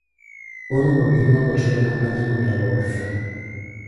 Bono continúa coa súa campaña contra a pobreza